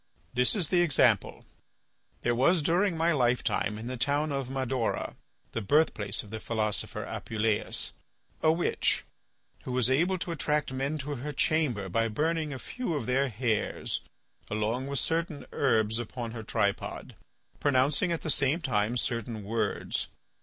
"This is the example. There was during my lifetime in the town of Madaura, the birthplace of the philosopher Apuleius, a witch who was able to attract men to her chamber by burning a few of their hairs along with certain herbs upon her tripod, pronouncing at the same time certain words.